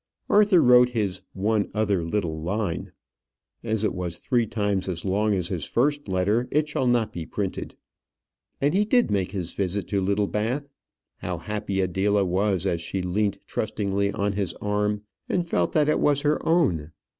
Arthur wrote his "one other little line." As it was three times as long as his first letter, it shall not be printed. And he did make his visit to Littlebath. How happy Adela was as she leant trustingly on his arm, and felt that it was her own!